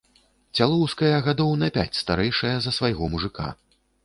Цяўлоўская гадоў на пяць старэйшая за свайго мужыка.